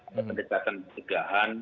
ada pendekatan pencegahan